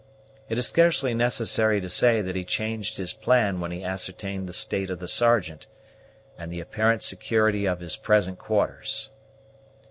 It is scarcely necessary to say that he changed his plan when he ascertained the state of the Sergeant, and the apparent security of his present quarters.